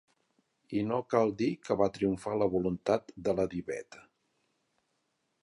I no cal dir que va triomfar la voluntat de la diveta.